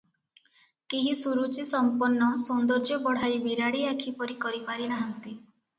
କେହି ସୁରୁଚିସମ୍ପନ୍ନ ସୌନ୍ଦର୍ଯ୍ୟ ବଢ଼ାଇ ବିରାଡ଼ି ଆଖି ପରି କରିପାରି ନାହାନ୍ତି ।